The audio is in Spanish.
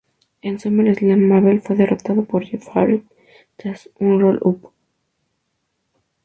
En SummerSlam, Mabel fue derrotado por Jeff Jarrett tras un roll-up.